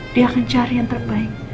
dia akan cari yang terbaik